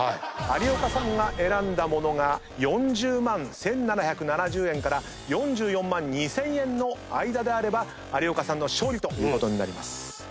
有岡さんが選んだものが４０万１，７７０円から４４万２，０００円の間であれば有岡さんの勝利ということになります。